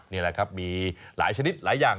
นี่แหละครับมีหลายชนิดหลายอย่าง